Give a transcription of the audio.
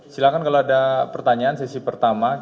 silahkan kalau ada pertanyaan sesi pertama